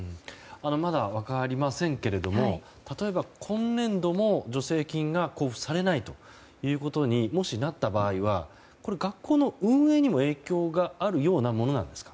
まだ分かりませんが例えば、今年度も助成金が交付されないということにもしなった場合は学校の運営にも影響があるようなものですか？